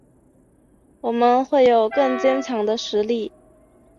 我们会有更坚强的实力